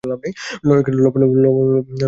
লবণ কম হয়েছে।